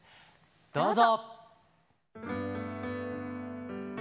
どうぞ。